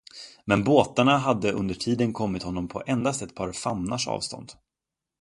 Men båtarna hade under tiden kommit honom på endast ett par famnars avstånd.